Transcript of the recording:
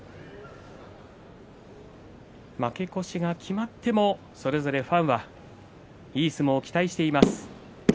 負け越しが決まってもそれぞれファンはいい相撲を期待しています。